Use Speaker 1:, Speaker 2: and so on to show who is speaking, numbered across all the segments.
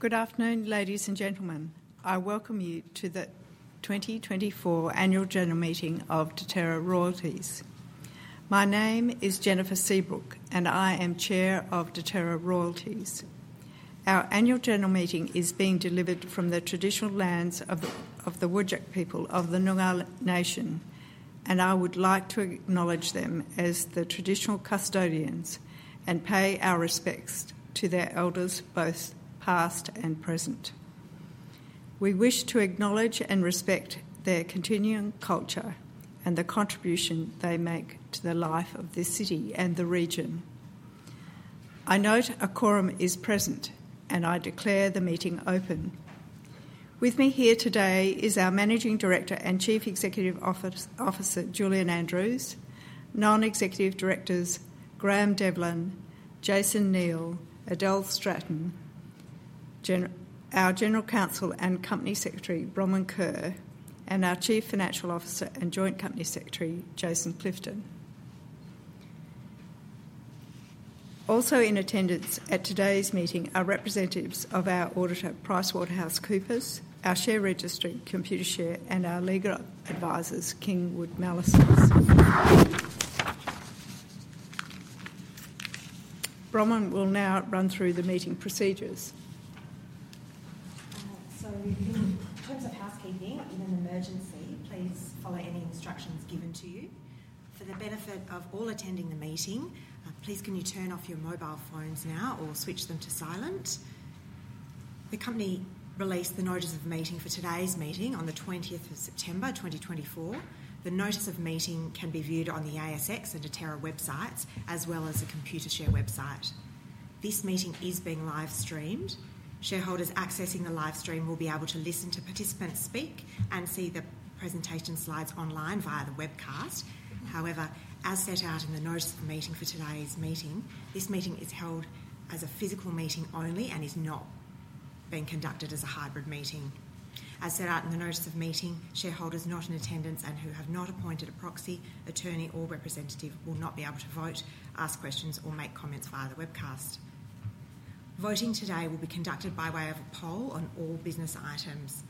Speaker 1: Good afternoon, ladies and gentlemen. I welcome you to the 2024 Annual General Meeting of Deterra Royalties. My name is Jennifer Seabrook, and I am Chair of Deterra Royalties. Our annual general meeting is being delivered from the traditional lands of the Whadjuk people of the Noongar nation, and I would like to acknowledge them as the traditional custodians and pay our respects to their elders, both past and present. We wish to acknowledge and respect their continuing culture and the contribution they make to the life of this city and the region. I note a quorum is present, and I declare the meeting open. With me here today is our Managing Director and Chief Executive Officer, Julian Andrews; Non-Executive Directors, Graeme Devlin, Jason Neal, Adele Stratton; Our General Counsel and Company Secretary, Bronwyn Kerr; and our Chief Financial Officer and Joint Company Secretary, Jason Clifton. Also in attendance at today's meeting are representatives of our auditor, PricewaterhouseCoopers, our share registry, Computershare, and our legal advisors, King & Wood Mallesons. Bronwyn will now run through the meeting procedures.
Speaker 2: So in terms of housekeeping, in an emergency, please follow any instructions given to you. For the benefit of all attending the meeting, please, can you turn off your mobile phones now or switch them to silent? The company released the notice of the meeting for today's meeting on the twentieth of September, 2024. The Notice of Meeting can be viewed on the ASX and Deterra websites, as well as the Computershare website. This meeting is being live-streamed. Shareholders accessing the live stream will be able to listen to participants speak and see the presentation slides online via the webcast. However, as set out in the notice of the meeting for today's meeting, this meeting is held as a physical meeting only and is not being conducted as a hybrid meeting. As set out in the Notice of Meeting, shareholders not in attendance and who have not appointed a proxy, attorney, or representative will not be able to vote, ask questions, or make comments via the webcast. Voting today will be conducted by way of a poll on all business items.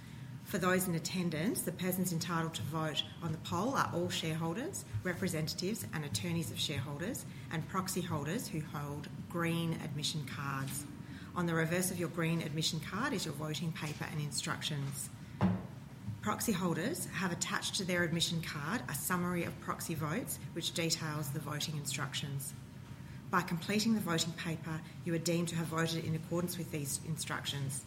Speaker 2: For those in attendance, the persons entitled to vote on the poll are all shareholders, representatives, and attorneys of shareholders, and proxy holders who hold green admission cards. On the reverse of your green admission card is your voting paper and instructions. Proxy holders have attached to their admission card a summary of proxy votes, which details the voting instructions. By completing the voting paper, you are deemed to have voted in accordance with these instructions.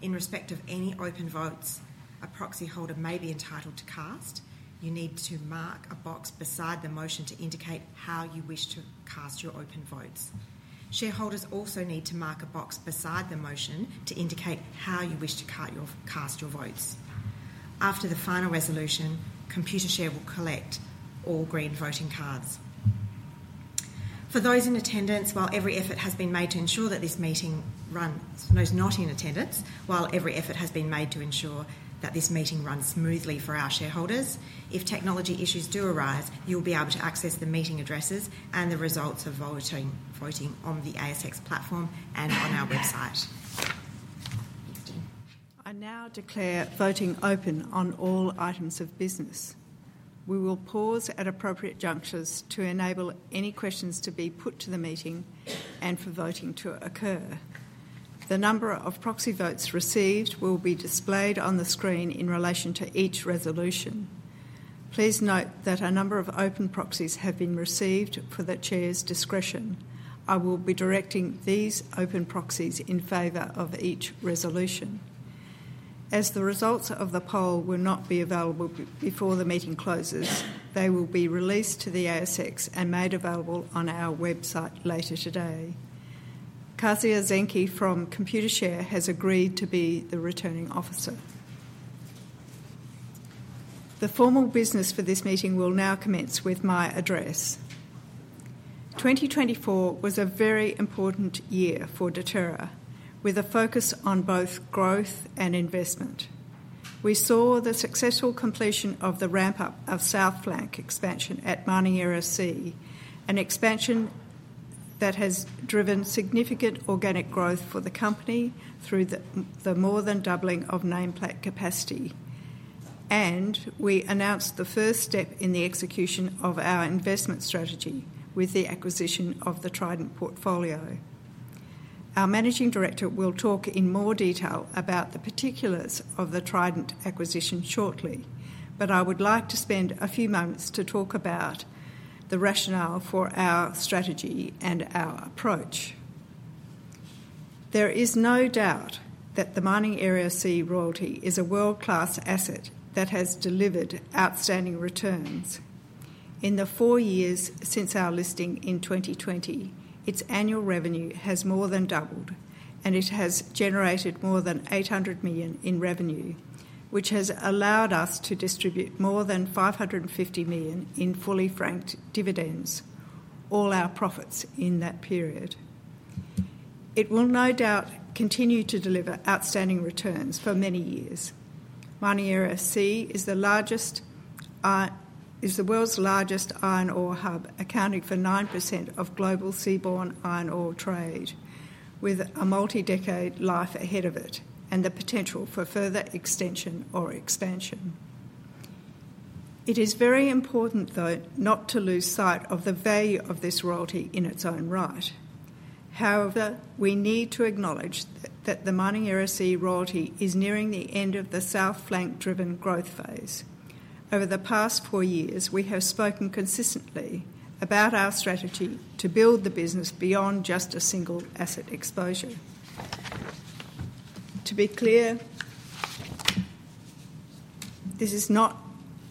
Speaker 2: In respect of any open votes a proxy holder may be entitled to cast, you need to mark a box beside the motion to indicate how you wish to cast your open votes. Shareholders also need to mark a box beside the motion to indicate how you wish to cast your votes. After the final resolution, Computershare will collect all green voting cards. For those in attendance, while every effort has been made to ensure that this meeting runs... Those not in attendance, while every effort has been made to ensure that this meeting runs smoothly for our shareholders, if technology issues do arise, you'll be able to access the meeting addresses and the results of voting on the ASX platform and on our website.
Speaker 1: I now declare voting open on all items of business. We will pause at appropriate junctures to enable any questions to be put to the meeting and for voting to occur. The number of proxy votes received will be displayed on the screen in relation to each resolution. Please note that a number of open proxies have been received for the Chair's discretion. I will be directing these open proxies in favor of each resolution. As the results of the poll will not be available before the meeting closes, they will be released to the ASX and made available on our website later today. Katja Zinke from Computershare has agreed to be the Returning Officer. The formal business for this meeting will now commence with my address. 2024 was a very important year for Deterra, with a focus on both growth and investment. We saw the successful completion of the ramp-up of South Flank expansion at Mining Area C, an expansion that has driven significant organic growth for the company through the more than doubling of nameplate capacity. And we announced the first step in the execution of our investment strategy with the acquisition of the Trident portfolio. Our Managing Director will talk in more detail about the particulars of the Trident acquisition shortly, but I would like to spend a few moments to talk about the rationale for our strategy and our approach. There is no doubt that the Mining Area C royalty is a world-class asset that has delivered outstanding returns. In the four years since our listing in 2020, its annual revenue has more than doubled, and it has generated more than 800 million in revenue, which has allowed us to distribute more than 550 million in fully franked dividends, all our profits in that period. It will no doubt continue to deliver outstanding returns for many years. Mining Area C is the world's largest iron ore hub, accounting for 9% of global seaborne iron ore trade, with a multi-decade life ahead of it and the potential for further extension or expansion. It is very important, though, not to lose sight of the value of this royalty in its own right. However, we need to acknowledge that the Mining Area C royalty is nearing the end of the South Flank-driven growth phase. Over the past four years, we have spoken consistently about our strategy to build the business beyond just a single asset exposure. To be clear, this is not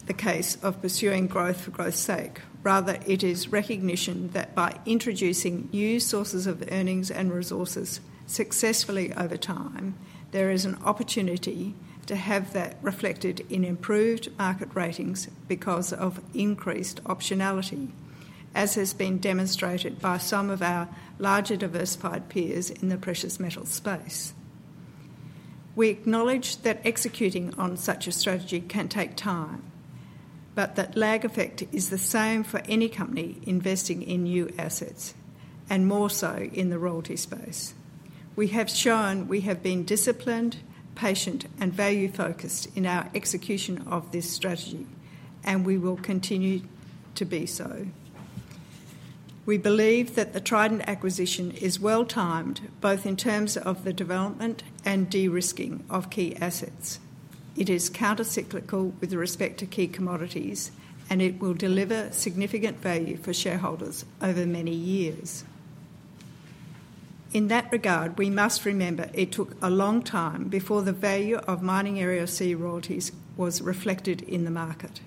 Speaker 1: the case of pursuing growth for growth's sake. Rather, it is recognition that by introducing new sources of earnings and resources successfully over time, there is an opportunity to have that reflected in improved market ratings because of increased optionality, as has been demonstrated by some of our larger diversified peers in the precious metals space. We acknowledge that executing on such a strategy can take time, but that lag effect is the same for any company investing in new assets, and more so in the royalty space. We have shown we have been disciplined, patient, and value-focused in our execution of this strategy, and we will continue to be so. We believe that the Trident acquisition is well-timed, both in terms of the development and de-risking of key assets. It is countercyclical with respect to key commodities, and it will deliver significant value for shareholders over many years. In that regard, we must remember it took a long time before the value of Mining Area C royalties was reflected in the market.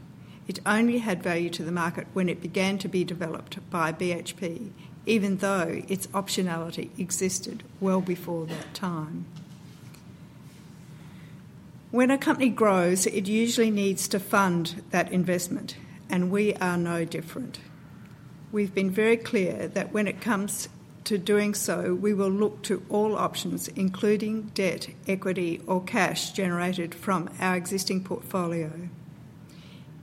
Speaker 1: It only had value to the market when it began to be developed by BHP, even though its optionality existed well before that time. When a company grows, it usually needs to fund that investment, and we are no different. We've been very clear that when it comes to doing so, we will look to all options, including debt, equity, or cash generated from our existing portfolio.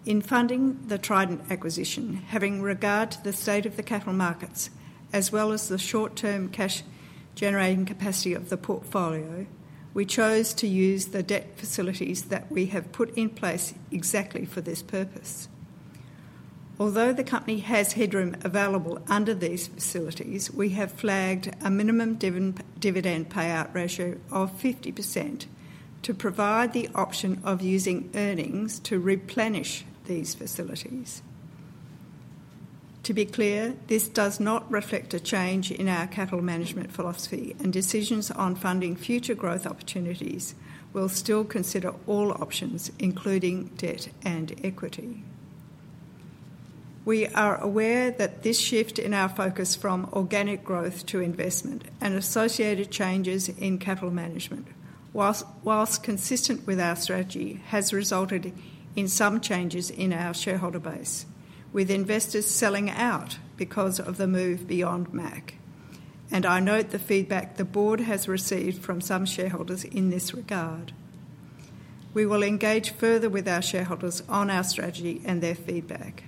Speaker 1: In funding the Trident acquisition, having regard to the state of the capital markets, as well as the short-term cash-generating capacity of the portfolio, we chose to use the debt facilities that we have put in place exactly for this purpose. Although the company has headroom available under these facilities, we have flagged a minimum dividend payout ratio of 50% to provide the option of using earnings to replenish these facilities. To be clear, this does not reflect a change in our capital management philosophy, and decisions on funding future growth opportunities will still consider all options, including debt and equity. We are aware that this shift in our focus from organic growth to investment and associated changes in capital management, whilst consistent with our strategy, has resulted in some changes in our shareholder base, with investors selling out because of the move beyond MAC. I note the feedback the board has received from some shareholders in this regard. We will engage further with our shareholders on our strategy and their feedback.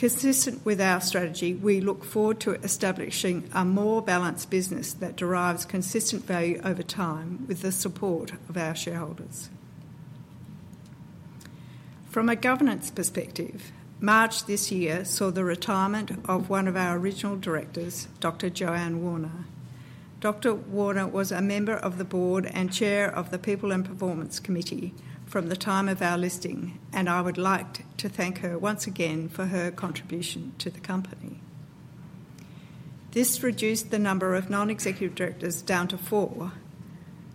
Speaker 1: Consistent with our strategy, we look forward to establishing a more balanced business that derives consistent value over time with the support of our shareholders. From a governance perspective, March this year saw the retirement of one of our original directors, Dr. Joanne Warner. Dr. Warner was a member of the board and chair of the People and Performance Committee from the time of our listing, and I would like to thank her once again for her contribution to the company. This reduced the number of non-executive directors down to four.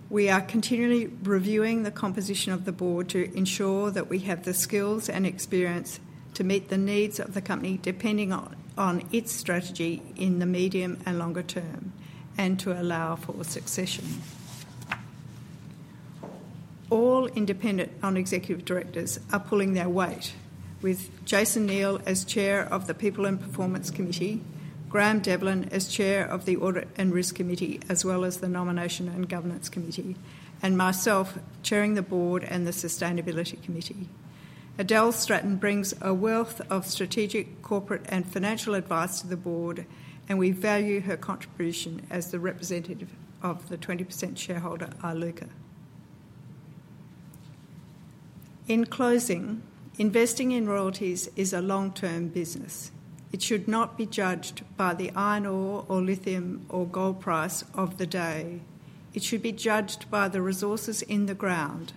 Speaker 1: We are continually reviewing the composition of the board to ensure that we have the skills and experience to meet the needs of the company, depending on, on its strategy in the medium and longer term, and to allow for succession. All independent non-executive directors are pulling their weight, with Jason Neal as chair of the People and Performance Committee, Graeme Devlin as chair of the Audit and Risk Committee, as well as the Nomination and Governance Committee, and myself chairing the board and the Sustainability Committee. Adele Stratton brings a wealth of strategic, corporate, and financial advice to the board, and we value her contribution as the representative of the 20% shareholder, Iluka. In closing, investing in royalties is a long-term business. It should not be judged by the iron ore or lithium or gold price of the day. It should be judged by the resources in the ground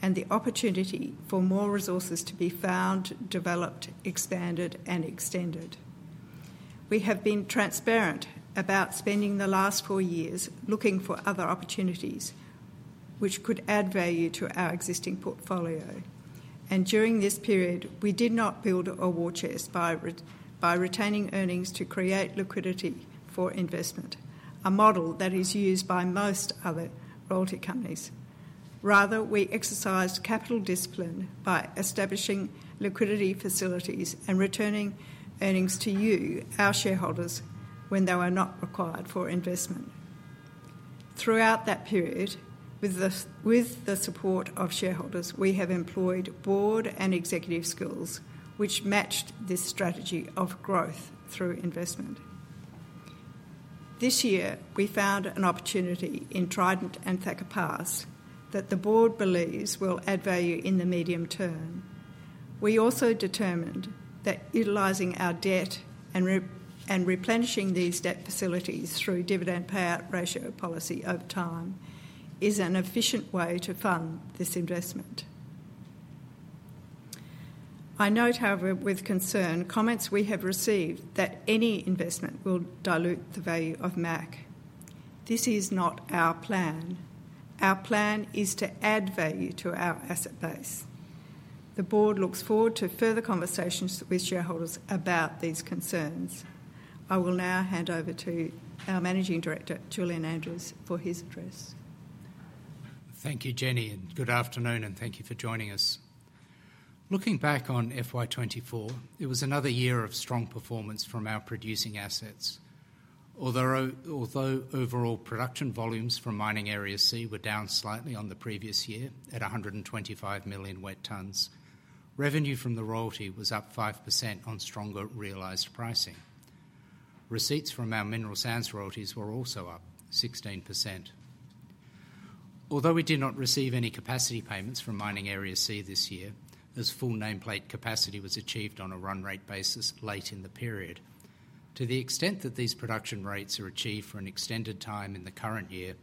Speaker 1: and the opportunity for more resources to be found, developed, expanded, and extended. We have been transparent about spending the last four years looking for other opportunities which could add value to our existing portfolio, and during this period, we did not build a war chest by retaining earnings to create liquidity for investment, a model that is used by most other royalty companies. Rather, we exercised capital discipline by establishing liquidity facilities and returning earnings to you, our shareholders, when they were not required for investment. Throughout that period, with the support of shareholders, we have employed board and executive skills which matched this strategy of growth through investment. This year, we found an opportunity in Trident and Thacker Pass that the board believes will add value in the medium term. We also determined that utilizing our debt and replenishing these debt facilities through dividend payout ratio policy over time is an efficient way to fund this investment. I note, however, with concern, comments we have received that any investment will dilute the value of MAC. This is not our plan. Our plan is to add value to our asset base. The board looks forward to further conversations with shareholders about these concerns. I will now hand over to our Managing Director, Julian Andrews, for his address.
Speaker 3: Thank you, Jenny, and good afternoon, and thank you for joining us. Looking back on FY 2024, it was another year of strong performance from our producing assets. Although although overall production volumes from Mining Area C were down slightly on the previous year at 125 million wet tonnes, revenue from the royalty was up 5% on stronger realized pricing. Receipts from our mineral sands royalties were also up 16%. Although we did not receive any capacity payments from Mining Area C this year, as full nameplate capacity was achieved on a run rate basis late in the period, to the extent that these production rates are achieved for an extended time in the current year,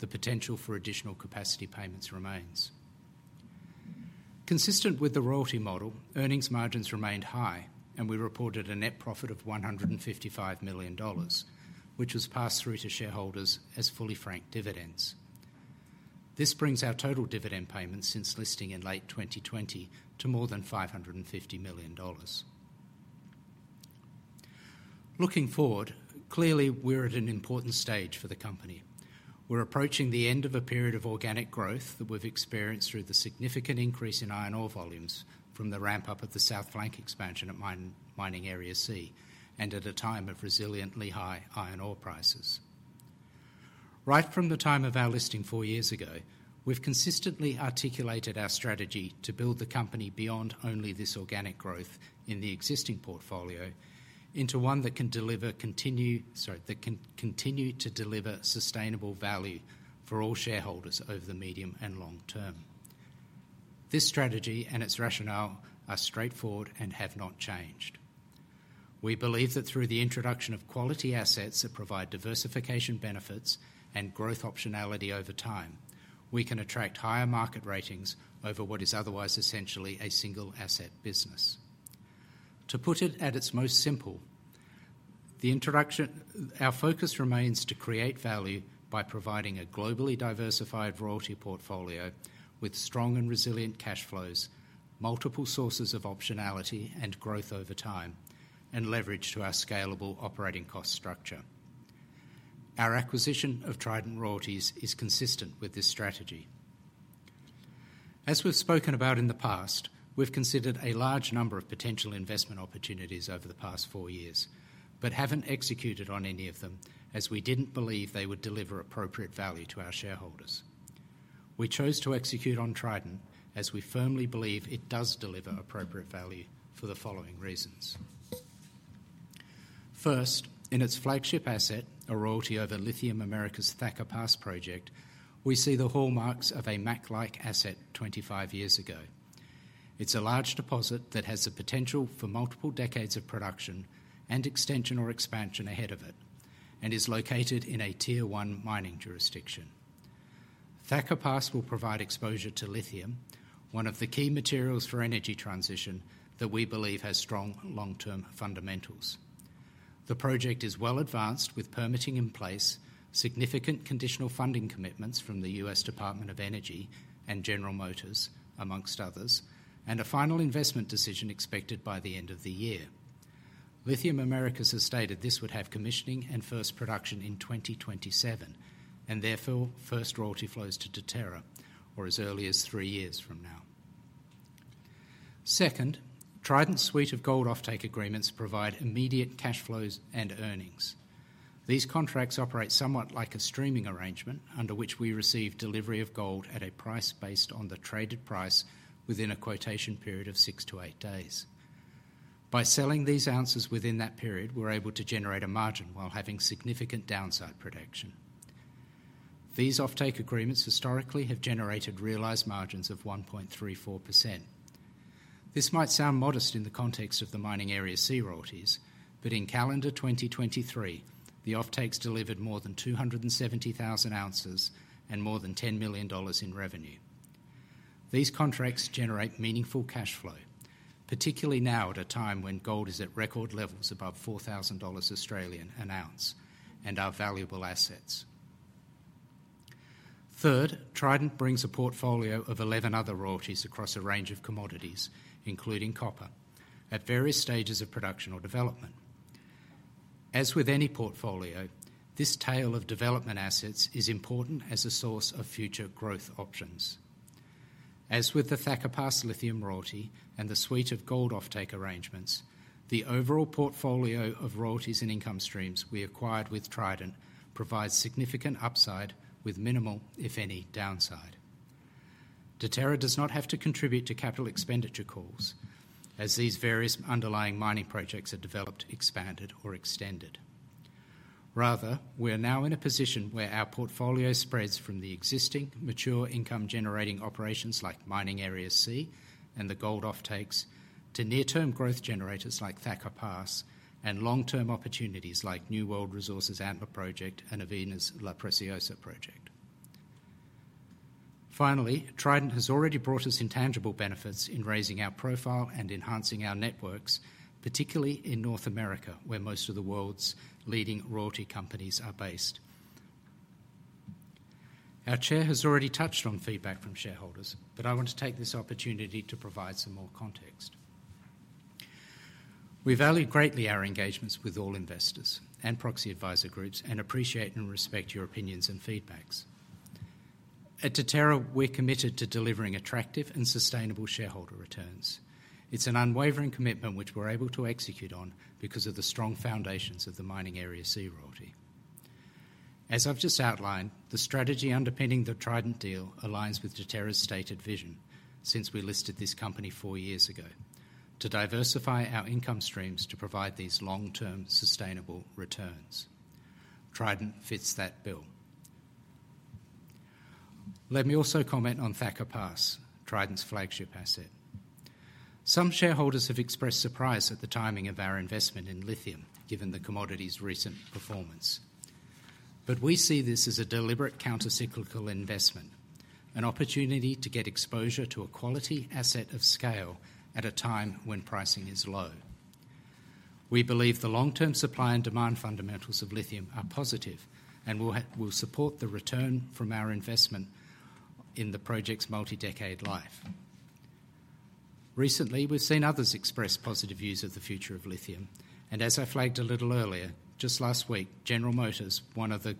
Speaker 3: the potential for additional capacity payments remains. Consistent with the royalty model, earnings margins remained high, and we reported a net profit of 155 million dollars, which was passed through to shareholders as fully franked dividends. This brings our total dividend payment since listing in late 2020 to more than 550 million dollars. Looking forward, clearly, we're at an important stage for the company. We're approaching the end of a period of organic growth that we've experienced through the significant increase in iron ore volumes from the ramp-up of the South Flank expansion at Mining Area C and at a time of resiliently high iron ore prices. Right from the time of our listing four years ago, we've consistently articulated our strategy to build the company beyond only this organic growth in the existing portfolio into one that can continue to deliver sustainable value for all shareholders over the medium and long term. This strategy and its rationale are straightforward and have not changed. We believe that through the introduction of quality assets that provide diversification benefits and growth optionality over time, we can attract higher market ratings over what is otherwise essentially a single asset business. To put it at its most simple, our focus remains to create value by providing a globally diversified royalty portfolio with strong and resilient cash flows, multiple sources of optionality and growth over time, and leverage to our scalable operating cost structure. Our acquisition of Trident Royalties is consistent with this strategy. As we've spoken about in the past, we've considered a large number of potential investment opportunities over the past four years, but haven't executed on any of them, as we didn't believe they would deliver appropriate value to our shareholders. We chose to execute on Trident, as we firmly believe it does deliver appropriate value for the following reasons. First, in its flagship asset, a royalty over Lithium Americas' Thacker Pass project, we see the hallmarks of a MAC-like asset 20-25 years ago. It's a large deposit that has the potential for multiple decades of production and extension or expansion ahead of it and is located in a Tier One mining jurisdiction. Thacker Pass will provide exposure to lithium, one of the key materials for energy transition that we believe has strong long-term fundamentals. The project is well advanced with permitting in place, significant conditional funding commitments from the U.S. Department of Energy and General Motors, among others, and a final investment decision expected by the end of the year. Lithium Americas has stated this would have commissioning and first production in 2027, and therefore, first royalty flows to Deterra, or as early as three years from now. Second, Trident's suite of gold offtake agreements provide immediate cash flows and earnings. These contracts operate somewhat like a streaming arrangement, under which we receive delivery of gold at a price based on the traded price within a quotation period of six to eight days. By selling these ounces within that period, we're able to generate a margin while having significant downside protection. These offtake agreements historically have generated realized margins of 1.34%. This might sound modest in the context of the Mining Area C royalties, but in calendar 2023, the offtakes delivered more than 270,000 ounces and more than 10 million dollars in revenue. These contracts generate meaningful cash flow, particularly now at a time when gold is at record levels above 4,000 Australian dollars an ounce and are valuable assets. Third, Trident brings a portfolio of 11 other royalties across a range of commodities, including copper, at various stages of production or development. As with any portfolio, this tail of development assets is important as a source of future growth options. As with the Thacker Pass lithium royalty and the suite of gold offtake arrangements, the overall portfolio of royalties and income streams we acquired with Trident provides significant upside with minimal, if any, downside. Deterra does not have to contribute to capital expenditure calls as these various underlying mining projects are developed, expanded, or extended. Rather, we are now in a position where our portfolio spreads from the existing mature income-generating operations like Mining Area C and the gold offtakes, to near-term growth generators like Thacker Pass, and long-term opportunities like New World Resources' Antler project and Avino's La Preciosa project. Finally, Trident has already brought us intangible benefits in raising our profile and enhancing our networks, particularly in North America, where most of the world's leading royalty companies are based. Our chair has already touched on feedback from shareholders, but I want to take this opportunity to provide some more context. We value greatly our engagements with all investors and proxy advisor groups, and appreciate and respect your opinions and feedback. At Deterra, we're committed to delivering attractive and sustainable shareholder returns. It's an unwavering commitment which we're able to execute on because of the strong foundations of the Mining Area C royalty. As I've just outlined, the strategy underpinning the Trident deal aligns with Deterra's stated vision since we listed this company four years ago: to diversify our income streams to provide these long-term, sustainable returns. Trident fits that bill. Let me also comment on Thacker Pass, Trident's flagship asset. Some shareholders have expressed surprise at the timing of our investment in lithium, given the commodity's recent performance. But we see this as a deliberate countercyclical investment, an opportunity to get exposure to a quality asset of scale at a time when pricing is low. We believe the long-term supply and demand fundamentals of lithium are positive and will support the return from our investment in the project's multi-decade life. Recently, we've seen others express positive views of the future of lithium, and as I flagged a little earlier, just last week, General Motors, one of the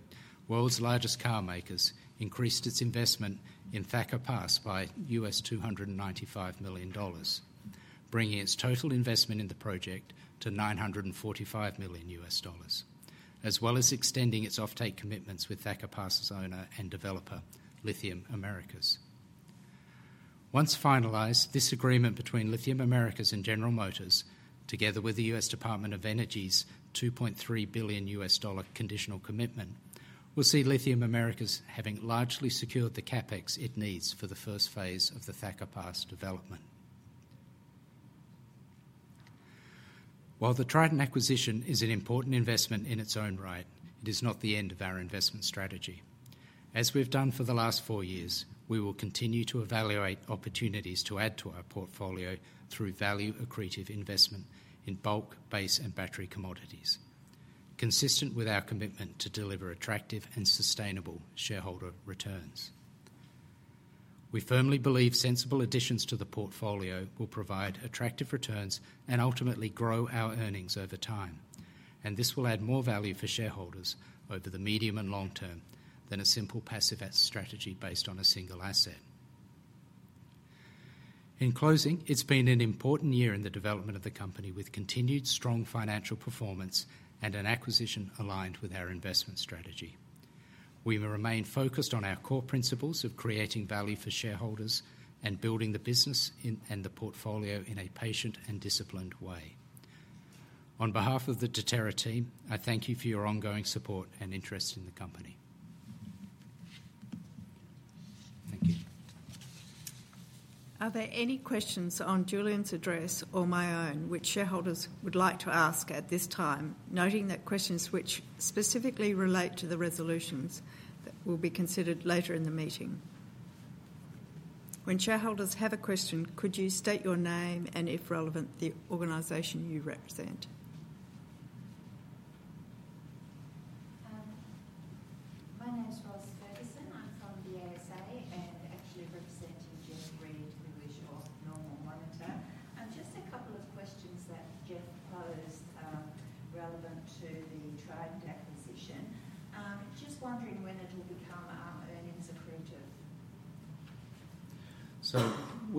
Speaker 3: world's largest car makers, increased its investment in Thacker Pass by $295 million, bringing its total investment in the project to $945 million, as well as extending its offtake commitments with Thacker Pass's owner and developer, Lithium Americas. Once finalized, this agreement between Lithium Americas and General Motors, together with the U.S. Department of Energy's $2.3 billion conditional commitment, will see Lithium Americas having largely secured the CapEx it needs for the first phase of the Thacker Pass development. While the Trident acquisition is an important investment in its own right, it is not the end of our investment strategy. As we've done for the last four years, we will continue to evaluate opportunities to add to our portfolio through value-accretive investment in bulk, base, and battery commodities, consistent with our commitment to deliver attractive and sustainable shareholder returns. We firmly believe sensible additions to the portfolio will provide attractive returns and ultimately grow our earnings over time, and this will add more value for shareholders over the medium and long term than a simple passive asset strategy based on a single asset. In closing, it's been an important year in the development of the company, with continued strong financial performance and an acquisition aligned with our investment strategy. We will remain focused on our core principles of creating value for shareholders and building the business in, and the portfolio in a patient and disciplined way. On behalf of the Deterra team, I thank you for your ongoing support and interest in the company. Thank you.
Speaker 1: Are there any questions on Julian's address or my own, which shareholders would like to ask at this time, noting that questions which specifically relate to the resolutions will be considered later in the meeting? When shareholders have a question, could you state your name and, if relevant, the organization you represent?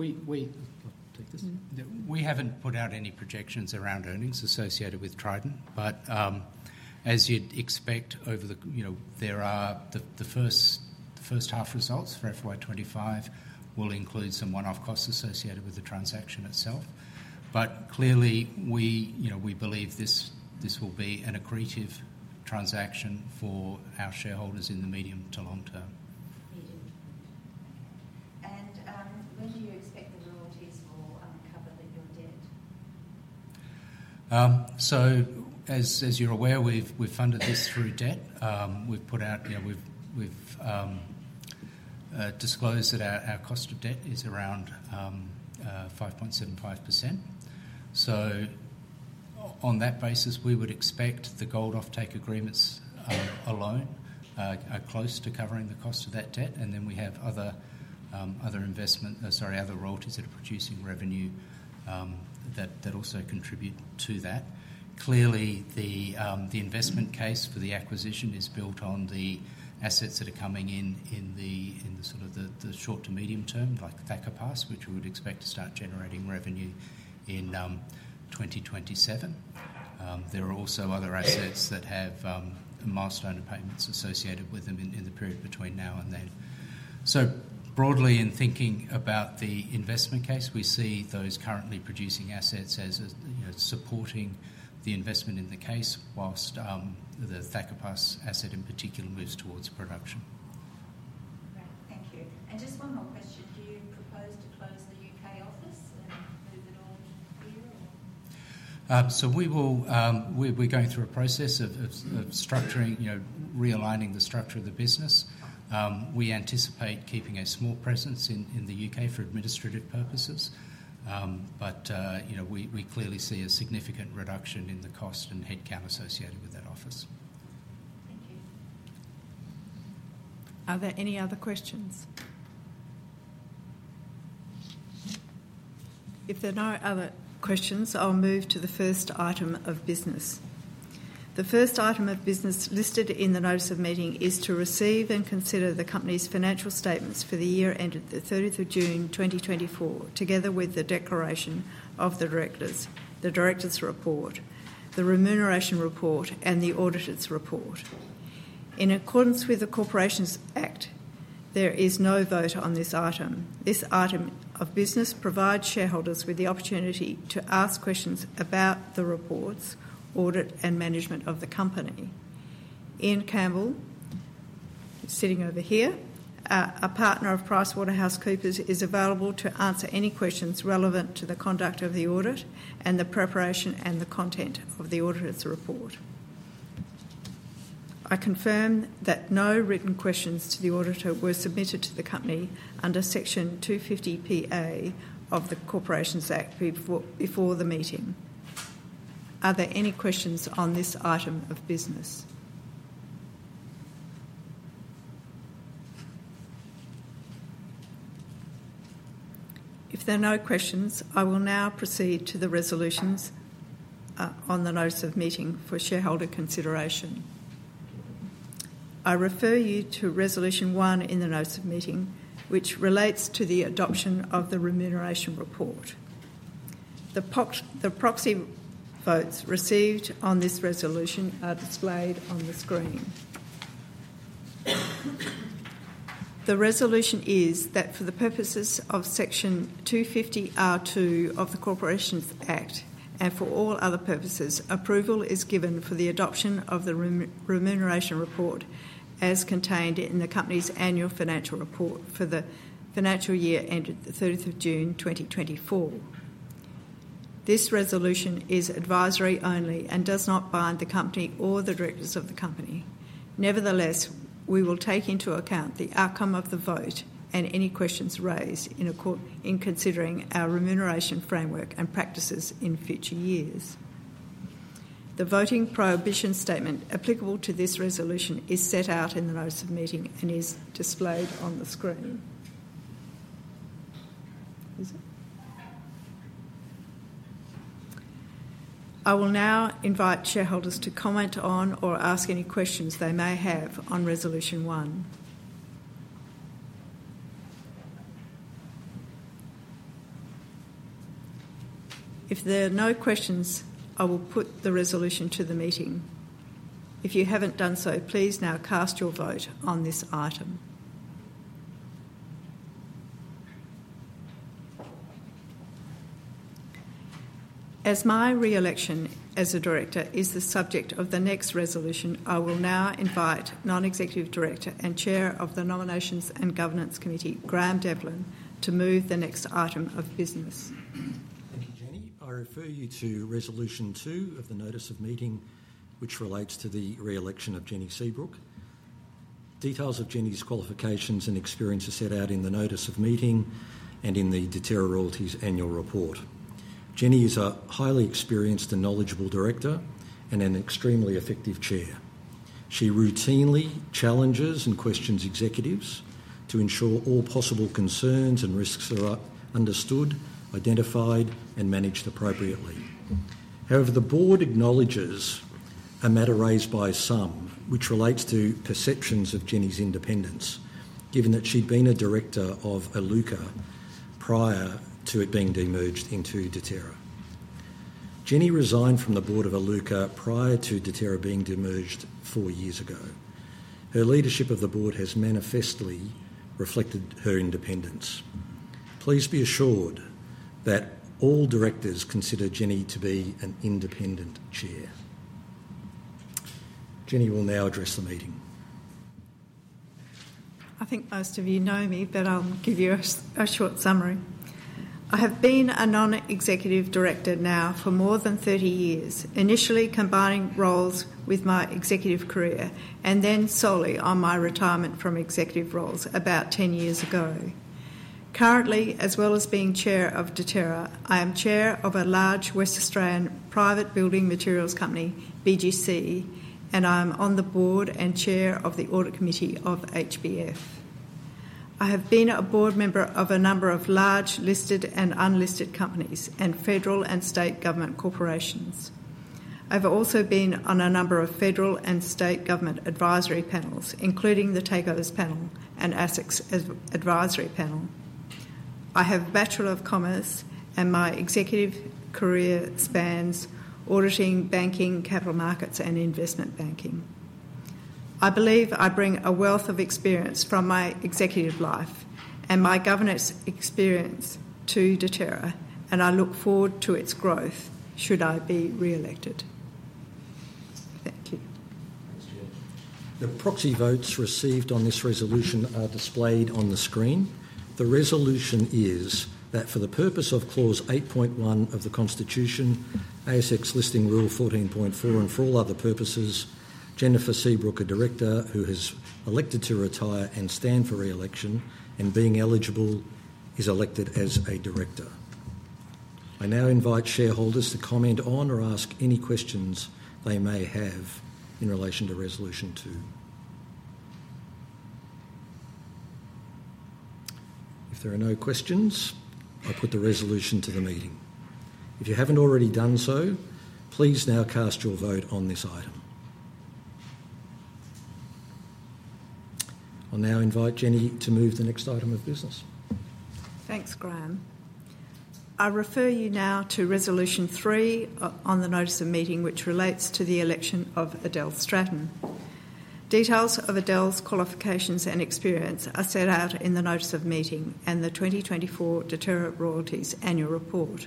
Speaker 1: My name is Ross Ferguson. I'm from the ASA, and actually representing Geoff Green of the ASA monitor. Just a couple of questions that Geoff posed, relevant to the Trident acquisition. Just wondering when it will become earnings accretive?
Speaker 3: We take this? We haven't put out any projections around earnings associated with Trident, but as you'd expect, you know, the first half results for FY 2025 will include some one-off costs associated with the transaction itself. But clearly, we, you know, we believe this will be an accretive transaction for our shareholders in the medium to long term. Medium to long term. Okay. And, when do you expect the royalties will cover your debt? So as you're aware, we've funded this through debt. We've put out, you know, we've disclosed that our cost of debt is around 5.75%. So on that basis, we would expect the gold offtake agreements alone are close to covering the cost of that debt, and then we have other royalties that are producing revenue that also contribute to that. Clearly, the investment case for the acquisition is built on the assets that are coming in in the sort of the short to medium term, like Thacker Pass, which we would expect to start generating revenue in 2027. There are also other assets that have milestone payments associated with them in the period between now and then. So broadly, in thinking about the investment case, we see those currently producing assets as, you know, supporting the investment in the case, while the Thacker Pass asset in particular moves towards production. Great, thank you. And just one more question: do you propose to close the U.K. office and move it all here or? So we will, we're going through a process of structuring, you know, realigning the structure of the business. We anticipate keeping a small presence in the UK for administrative purposes. But, you know, we clearly see a significant reduction in the cost and headcount associated with that office. Thank you.
Speaker 1: Are there any other questions? If there are no other questions, I'll move to the first item of business. The first item of business listed in the Notice of Meeting is to receive and consider the company's financial statements for the year ended the thirtieth of June, 2024, together with the declaration of the directors, the Directors' Report, the Remuneration Report, and the Auditor's Report. In accordance with the Corporations Act, there is no vote on this item. This item of business provides shareholders with the opportunity to ask questions about the reports, audit, and management of the company. Ian Campbell, sitting over here, a partner of PricewaterhouseCoopers, is available to answer any questions relevant to the conduct of the audit and the preparation and the content of the Auditor's Report. I confirm that no written questions to the auditor were submitted to the company under Section 250PA of the Corporations Act before the meeting. Are there any questions on this item of business? If there are no questions, I will now proceed to the resolutions on the Notice of Meeting for shareholder consideration. I refer you to Resolution One in the Notice of Meeting, which relates to the adoption of the Remuneration Report. The proxy votes received on this resolution are displayed on the screen. The resolution is that for the purposes of Section 250R(2) of the Corporations Act, and for all other purposes, approval is given for the adoption of the Remuneration Report as contained in the company's annual financial report for the financial year ended the thirtieth of June, 2024. This resolution is advisory only and does not bind the company or the directors of the company. Nevertheless, we will take into account the outcome of the vote and any questions raised in a court in considering our remuneration framework and practices in future years. The voting prohibition statement applicable to this resolution is set out in the Notice of Meeting and is displayed on the screen. Is it? I will now invite shareholders to comment on or ask any questions they may have on Resolution One. If there are no questions, I will put the resolution to the meeting. If you haven't done so, please now cast your vote on this item. As my re-election as a director is the subject of the next resolution, I will now invite Non-Executive Director and Chair of the Nominations and Governance Committee, Graeme Devlin, to move the next item of business.
Speaker 4: Thank you, Jenny. I refer you to Resolution Two of the Notice of Meeting, which relates to the re-election of Jenny Seabrook. Details of Jenny's qualifications and experience are set out in the Notice of Meeting and in the Deterra Royalties Annual Report. Jenny is a highly experienced and knowledgeable director and an extremely effective chair. She routinely challenges and questions executives to ensure all possible concerns and risks are understood, identified, and managed appropriately. However, the board acknowledges a matter raised by some, which relates to perceptions of Jenny's independence, given that she'd been a director of Iluka prior to it being demerged into Deterra. Jenny resigned from the board of Iluka prior to Deterra being demerged four years ago. Her leadership of the board has manifestly reflected her independence. Please be assured that all directors consider Jenny to be an independent chair. Jenny will now address the meeting.
Speaker 1: I think most of you know me, but I'll give you a short summary. I have been a non-executive director now for more than thirty years, initially combining roles with my executive career and then solely on my retirement from executive roles about ten years ago. Currently, as well as being chair of Deterra, I am chair of a large Western Australian private building materials company, BGC, and I'm on the board and chair of the audit committee of HBF. I have been a board member of a number of large listed and unlisted companies, and federal and state government corporations. I've also been on a number of federal and state government advisory panels, including the Takeovers Panel and ASX Advisory Panel. I have a Bachelor of Commerce, and my executive career spans auditing, banking, capital markets, and investment banking. I believe I bring a wealth of experience from my executive life and my governance experience to Deterra, and I look forward to its growth should I be re-elected. Thank you.
Speaker 4: Thanks, Jen. The proxy votes received on this resolution are displayed on the screen. The resolution is that for the purpose of Clause 8.1 of the Constitution, ASX Listing Rule 14.4, and for all other purposes, Jennifer Seabrook, a director who has elected to retire and stand for re-election, and being eligible, is elected as a director. I now invite shareholders to comment on or ask any questions they may have in relation to Resolution Two. If there are no questions, I put the resolution to the meeting. If you haven't already done so, please now cast your vote on this item. I'll now invite Jenny to move the next item of business.
Speaker 1: Thanks, Graeme. I refer you now to Resolution Three on the Notice of Meeting, which relates to the election of Adele Stratton. Details of Adele's qualifications and experience are set out in the Notice of Meeting and the 2024 Deterra Royalties Annual Report.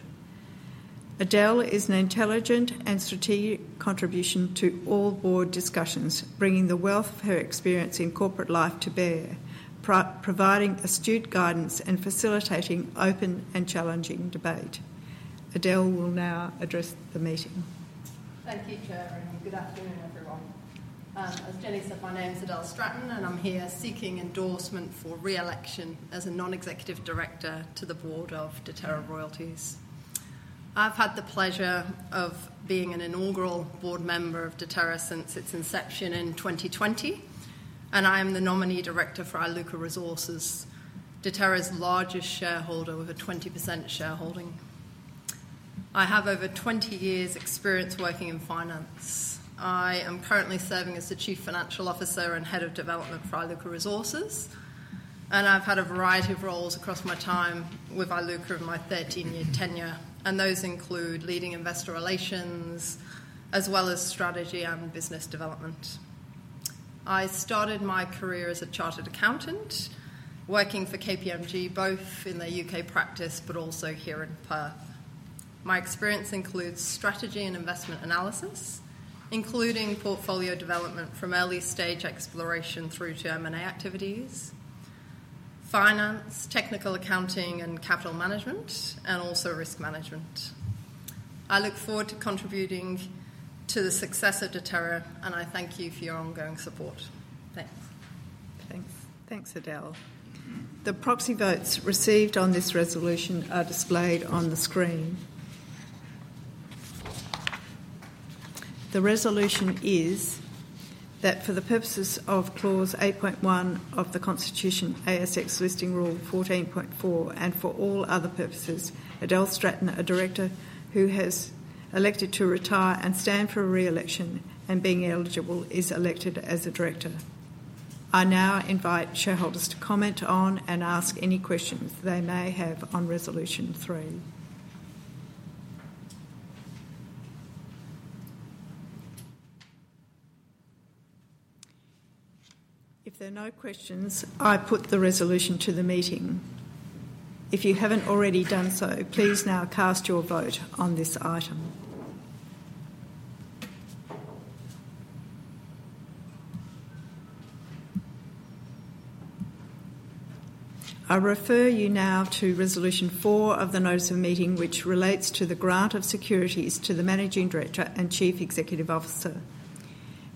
Speaker 1: Adele is an intelligent and strategic contribution to all board discussions, bringing the wealth of her experience in corporate life to bear, providing astute guidance and facilitating open and challenging debate. Adele will now address the meeting.
Speaker 5: Thank you, Chair, and good afternoon, everyone. As Jenny said, my name is Adele Stratton, and I'm here seeking endorsement for re-election as a non-executive director to the board of Deterra Royalties. I've had the pleasure of being an inaugural board member of Deterra since its inception in 2020, and I am the nominee director for Iluka Resources, Deterra's largest shareholder with a 20% shareholding. I have over 20 years' experience working in finance. I am currently serving as the Chief Financial Officer and Head of Development for Iluka Resources, and I've had a variety of roles across my time with Iluka in my 13-year tenure, and those include leading investor relations, as well as strategy and business development. I started my career as a chartered accountant, working for KPMG, both in the U.K. practice, but also here in Perth. My experience includes strategy and investment analysis, including portfolio development from early-stage exploration through to M&A activities, finance, technical accounting, and capital management, and also risk management. I look forward to contributing to the success of Deterra, and I thank you for your ongoing support. Thanks.
Speaker 1: Thanks. Thanks, Adele. The proxy votes received on this resolution are displayed on the screen. The resolution is that for the purposes of Clause 8.1 of the Constitution, ASX Listing Rule 14.4, and for all other purposes, Adele Stratton, a director who has elected to retire and stand for re-election, and being eligible, is elected as a director. I now invite shareholders to comment on and ask any questions they may have on Resolution Three. If there are no questions, I put the resolution to the meeting. If you haven't already done so, please now cast your vote on this item. I refer you now to Resolution Four of the Notice of Meeting, which relates to the grant of securities to the Managing Director and Chief Executive Officer.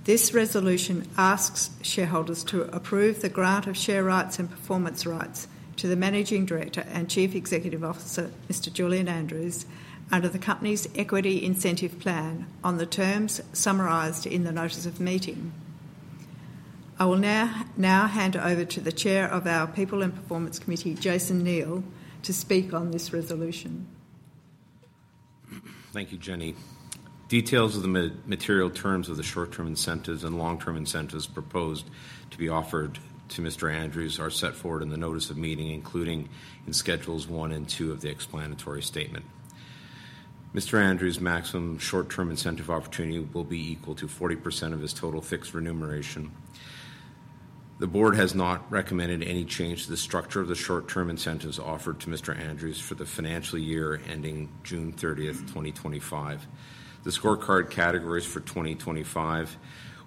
Speaker 1: This resolution asks shareholders to approve the grant of share rights and performance rights to the Managing Director and Chief Executive Officer, Mr. Julian Andrews, under the company's Equity Incentive Plan on the terms summarized in the Notice of Meeting. I will now hand over to the Chair of our People and Performance Committee, Jason Neal, to speak on this resolution.
Speaker 6: Thank you, Jenny. Details of the material terms of the short-term incentives and long-term incentives proposed to be offered to Mr Andrews are set forward in the Notice of Meeting, including in Schedules one and two of the Explanatory Statement. Mr Andrews' maximum short-term incentive opportunity will be equal to 40% of his total fixed remuneration. The board has not recommended any change to the structure of the short-term incentives offered to Mr Andrews for the financial year ending June thirtieth, 2025. The scorecard categories for 2025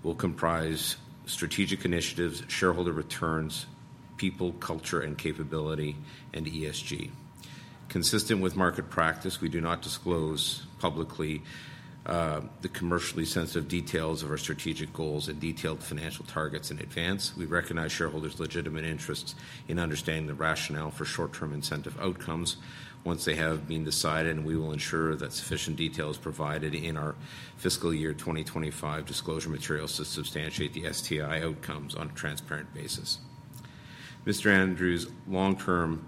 Speaker 6: will comprise strategic initiatives, shareholder returns, people, culture, and capability, and ESG. Consistent with market practice, we do not disclose publicly the commercially sensitive details of our strategic goals and detailed financial targets in advance. We recognize shareholders' legitimate interests in understanding the rationale for short-term incentive outcomes once they have been decided, and we will ensure that sufficient detail is provided in our fiscal year 2025 disclosure materials to substantiate the STI outcomes on a transparent basis. Mr. Andrews' long-term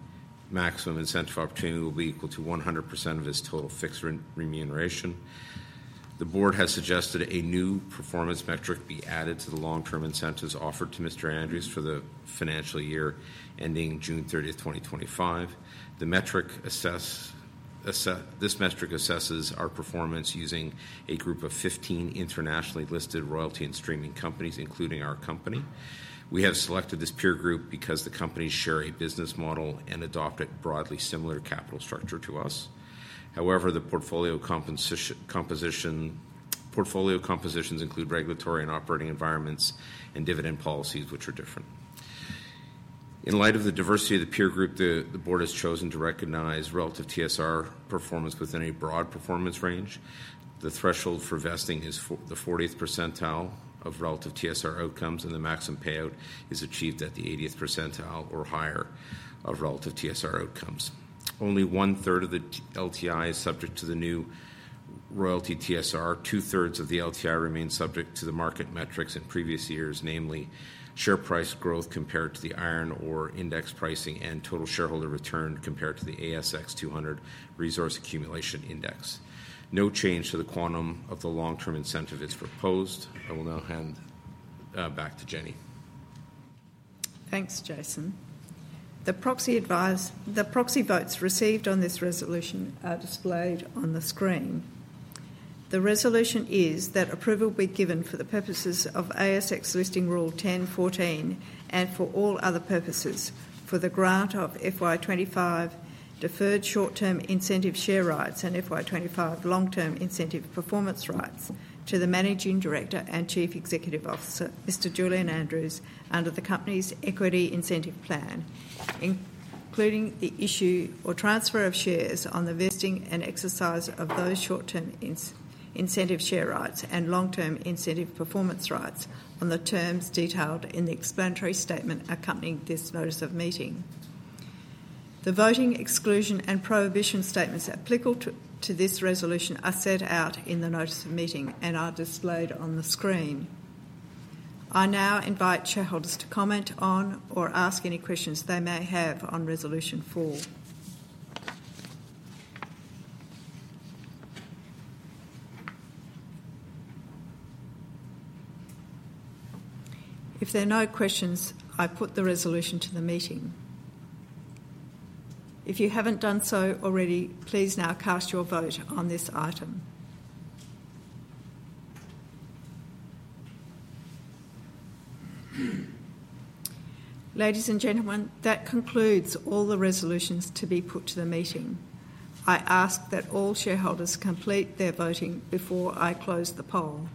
Speaker 6: maximum incentive opportunity will be equal to 100% of his total fixed remuneration. The board has suggested a new performance metric be added to the long-term incentives offered to Mr. Andrews for the financial year ending June thirtieth, 2025. This metric assesses our performance using a group of 15 internationally listed royalty and streaming companies, including our company. We have selected this peer group because the companies share a business model and adopt a broadly similar capital structure to us. However, the portfolio composition, portfolio compositions include regulatory and operating environments and dividend policies, which are different. In light of the diversity of the peer group, the board has chosen to recognize relative TSR performance within a broad performance range. The threshold for vesting is the fortieth percentile of relative TSR outcomes, and the maximum payout is achieved at the eightieth percentile or higher of relative TSR outcomes. Only one-third of the LTI is subject to the new royalty TSR. Two-thirds of the LTI remains subject to the market metrics in previous years, namely, share price growth compared to the iron ore index pricing and total shareholder return compared to the ASX 200 Resources Accumulation Index. No change to the quantum of the long-term incentive is proposed. I will now hand back to Jenny.
Speaker 1: Thanks, Jason. The proxy votes received on this resolution are displayed on the screen. The resolution is that approval be given for the purposes of ASX Listing Rule 10.14 and for all other purposes, for the grant of FY 2025 deferred short-term incentive share rights and FY 2025 long-term incentive performance rights to the Managing Director and Chief Executive Officer, Mr. Julian Andrews, under the company's Equity Incentive Plan, including the issue or transfer of shares on the vesting and exercise of those short-term incentive share rights and long-term incentive performance rights on the terms detailed in the Explanatory Statement accompanying this Notice of Meeting. The voting exclusion and prohibition statements applicable to this resolution are set out in the Notice of Meeting and are displayed on the screen. I now invite shareholders to comment on or ask any questions they may have on Resolution Four. If there are no questions, I put the resolution to the meeting. If you haven't done so already, please now cast your vote on this item. Ladies and gentlemen, that concludes all the resolutions to be put to the meeting. I ask that all shareholders complete their voting before I close the poll.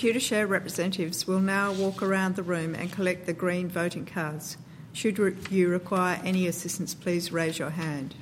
Speaker 1: Computershare representatives will now walk around the room and collect the green voting cards. Should you require any assistance, please raise your hand.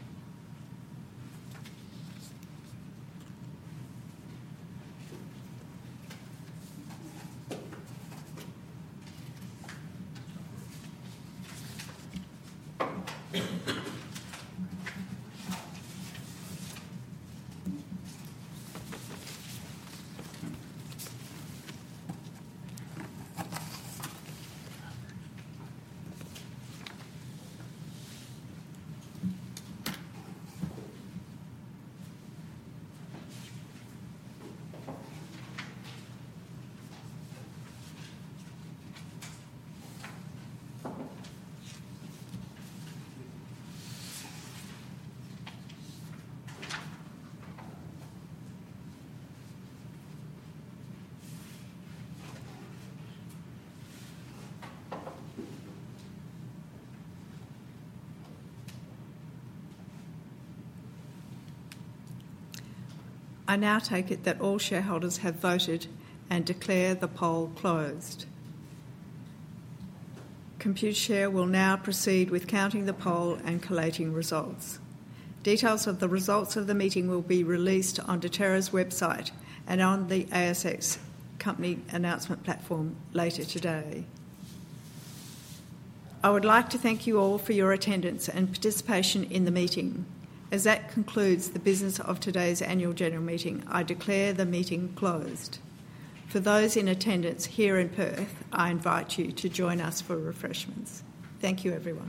Speaker 1: I now take it that all shareholders have voted and declare the poll closed. Computershare will now proceed with counting the poll and collating results. Details of the results of the meeting will be released on Deterra's website and on the ASX company announcement platform later today. I would like to thank you all for your attendance and participation in the meeting. As that concludes the business of today's annual general meeting, I declare the meeting closed. For those in attendance here in Perth, I invite you to join us for refreshments. Thank you, everyone.